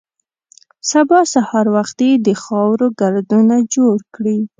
سبا سهار وختي د خاورو ګردونه جوړ کړي.